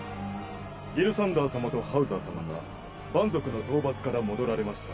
ギルサンダー様とハウザー様が蛮族の討伐から戻られました。